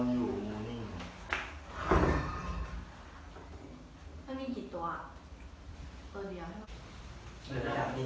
ตอนนี้ก็ไม่มีเวลาให้กลับไปแต่ตอนนี้ก็ไม่มีเวลาให้กลับไป